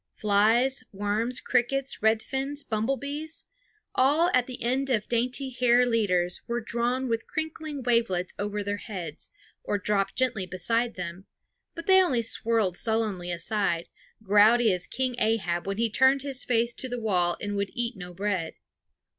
Flies, worms, crickets, redfins, bumblebees, all at the end of dainty hair leaders, were drawn with crinkling wavelets over their heads, or dropped gently beside them; but they only swirled sullenly aside, grouty as King Ahab when he turned his face to the wall and would eat no bread.